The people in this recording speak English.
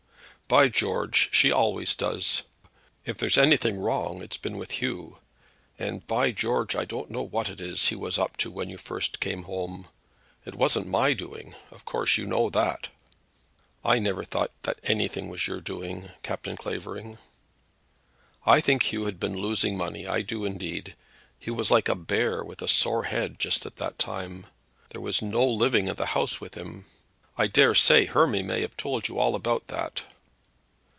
"By George, she always does. If there's anything wrong it's been with Hugh; and, by George, I don't know what it is he was up to when you first came home. It wasn't my doing; of course you know that." "I never thought that anything was your doing, Captain Clavering." "I think Hugh had been losing money; I do indeed. He was like a bear with a sore head just at that time. There was no living in the house with him. I daresay Hermy may have told you all about that."